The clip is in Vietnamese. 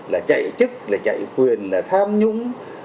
là chạy chức là chạy quyền là tham nhũng